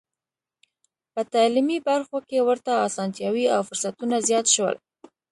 په تعلیمي برخو کې ورته اسانتیاوې او فرصتونه زیات شول.